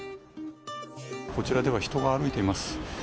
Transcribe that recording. こちらでは人が歩いています。